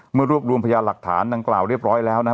รวบรวมพยานหลักฐานดังกล่าวเรียบร้อยแล้วนะครับ